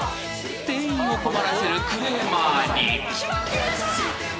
［店員を困らせるクレーマーに］